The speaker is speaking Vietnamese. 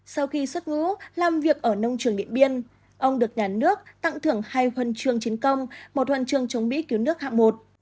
sau khi xuất ngũ làm việc ở nông trường điện biên ông được nhà nước tặng thưởng hai huân chương chiến công một huân trường chống mỹ cứu nước hạng một